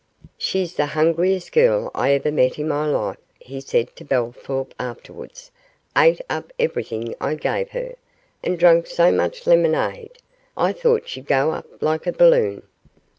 'She's the hungriest girl I ever met in my life,' he said to Bellthorp afterwards; 'ate up everything I gave her, and drank so much lemonade, I thought she'd go up like a balloon.